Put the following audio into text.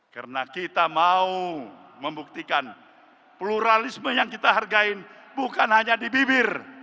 karena kita mau membuktikan pluralisme yang kita hargai bukan hanya di bibir